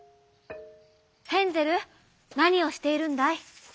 「ヘンゼルなにをしているんだい？」。